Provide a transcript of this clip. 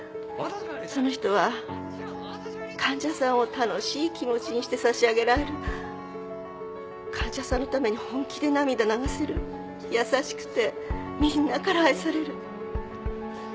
その人は患者さんを楽しい気持ちにしてさしあげられる患者さんのために本気で涙流せる優しくてみんなから愛される